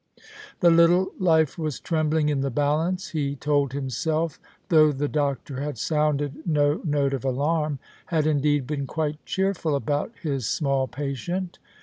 The little life was trembling in the balance, he told himself, though the doctor had sounded no note of alarm, had indeed been quite cheerful about his small patient.